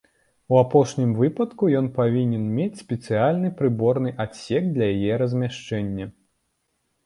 У апошнім выпадку ён павінен мець спецыяльны прыборны адсек для яе размяшчэння.